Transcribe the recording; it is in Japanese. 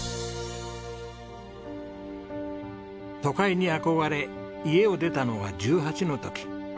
都会に憧れ家を出たのが１８の時。